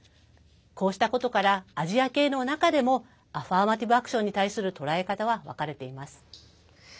こうしたことからアジア系の中でもアファーマティブ・アクションに対する捉え方は分かれています。